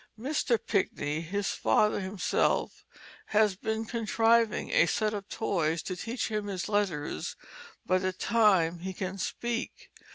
Mr. Pinckney (his father) himself has been contriving a sett of toys to teach him his letters by the time he can speak.